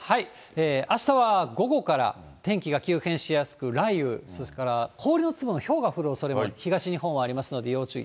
あしたは午後から天気が急変しやすく、雷雨、それから氷の粒のひょうが降るおそれも東日本ありますので、要注意。